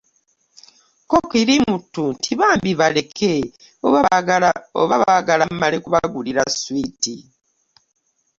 Ko kirimuttu nti "Bambi baleke oba baagala mmale kubagulira swiiti